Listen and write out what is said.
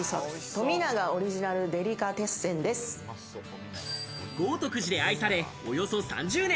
冨永オリジナルデリカテッセンで豪徳寺で愛され、およそ３０年。